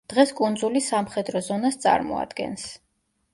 დღეს კუნძული სამხედრო ზონას წარმოადგენს.